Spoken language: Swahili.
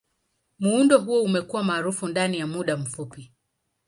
Muundo huu umekuwa maarufu ndani ya muda mfupi.